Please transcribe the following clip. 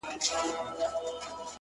o موږه كرلي دي اشنا دشاعر پښو ته زړونه،